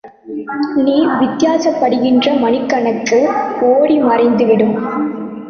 நீ வித்தியாசப்படுகின்ற மணிக்கணக்கு ஓடி மறைந்துவிடும்